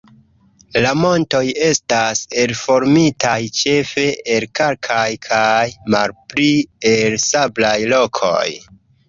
La montoj estas elformitaj ĉefe el kalkaj kaj malpli el sablaj rokoj.